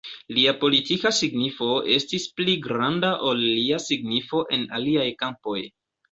Lia politika signifo estis pli granda ol lia signifo en aliaj kampoj.